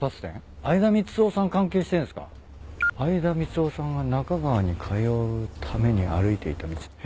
「相田みつをさんがなか川に通うために歩いていた道」へ。